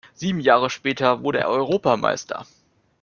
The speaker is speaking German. Sieben Jahre später wurde er Europameister.